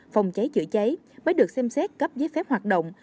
phòng cháy chữa cháy mới được xem xét cấp giấy phép hoạt động